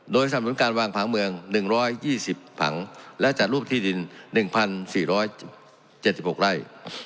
โดยสนุนการวางผังเมือง๑๒๐ผังและจัดรูปที่ดิน๑๔๗๖ไร่